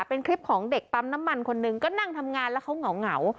เป็นคลิปของเด็กปั๊มน้ำมันคนหนึ่งก็นั่งทำงานแล้วเขาเหงา